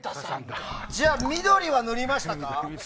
じゃあ、緑は塗りましたか？